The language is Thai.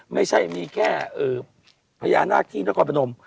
ไม่ใช่มีแค่พญานาคที่นครพนม